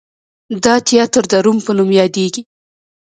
دا تیاتر د روم په نوم یادیږي.